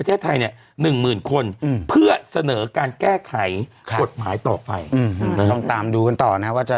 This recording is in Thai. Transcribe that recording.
ซือที่ไหนบอบ